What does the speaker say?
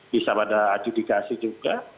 bisa pada adjudikasi juga